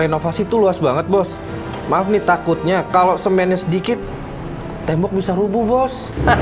kenapa mas agustega nyangkitin aku mas